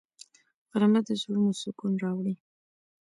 غرمه د زړونو سکون راوړي